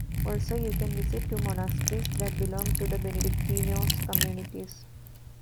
Also you can visit two monasteries, that belong to the "Benedictinos" Communities.